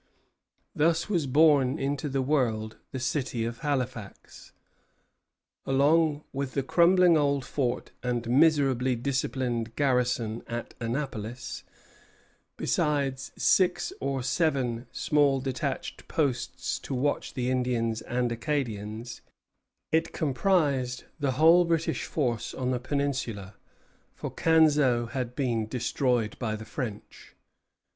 Thus was born into the world the city of Halifax. Along with the crumbling old fort and miserably disciplined garrison at Annapolis, besides six or seven small detached posts to watch the Indians and Acadians, it comprised the whole British force on the peninsula; for Canseau had been destroyed by the French.